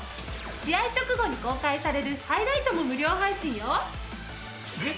試合直後に公開されるハイライトも無料配信よ。